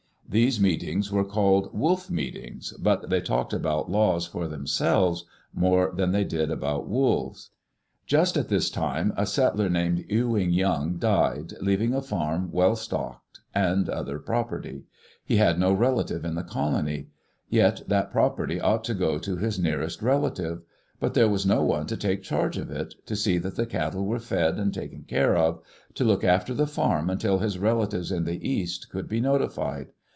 These meetings were called "Wolf meetings," but they talked about laws for themselves more than they did about wolves. Digitized by CjOOQ IC WHO OWNED THE '* OREGON COUNTRY''? Just at this time, a settler named Ewing Young died, leaving a farm well stocked, and other property. He had no relative in the colony. Yet that property ought to go to his nearest relative. But there was no one to take charge of it, to see that the cattle were fed and taken care of; to look after the farm until his relatives in the east could be notified.